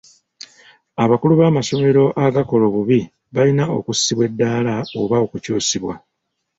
Abakulu b'amasomero agakola obubi balina okussibwa eddaala oba okukyusibwa.